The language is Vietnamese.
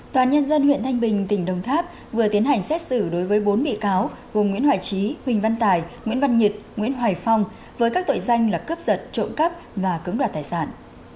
tòa án nhân dân huyện thanh bình tỉnh đồng tháp vừa tiến hành xét xử đối với bốn bị cáo gồm nguyễn hoài trí huỳnh văn tài nguyễn văn nhiệt nguyễn hoài phong với các tội danh là cướp giật trộm cắp và cưỡng đoạt tài sản